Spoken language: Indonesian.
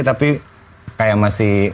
tapi kayak masih